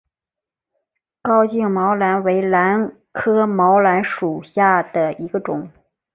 高茎毛兰为兰科毛兰属下的一个种。